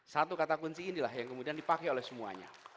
satu kata kunci inilah yang kemudian dipakai oleh semuanya